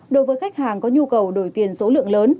đối với khách hàng có nhu cầu đổi tiền số lượng lớn